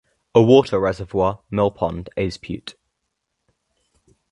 A water reservoir (mill pond) Aizpute.